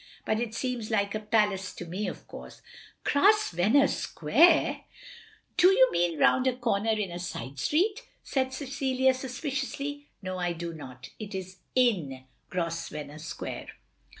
But it seems like a palace to me, of course. "" Grosvenor Square ! Do you mean round a cor ner, in a side street?" said Cecilia, suspiciously. "No, I do not. It is in Grosvenor Square."